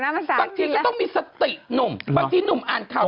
บางทีก็ต้องมีสติหนุ่ม